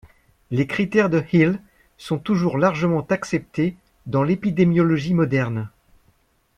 Les critères de Hill sont toujours largement acceptés dans l'épidémiologie moderne.